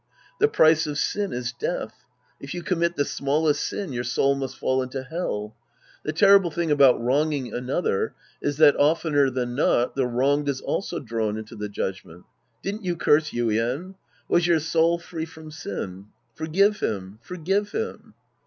The price of sin is death. If you commit the smallest sin, your soul must fall into Hell. The terrible thing about wrong ing another is that oftener than not the wronged is also drawn into the judgment. Didn't you curse Yuien ? Was your soul free from sin ? Forgive him, forgive liim.